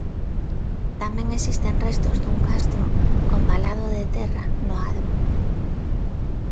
Tamén existen restos dun castro con valado de terra no Adro.